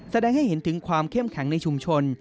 แสดงให้เห็นถึงความเข้มแข็งในชุมชน